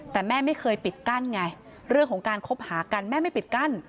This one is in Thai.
แต่แม่ไม่เคยปิดกั้นไงเรื่องของการคบหากันแม่ไม่ปิดกั้น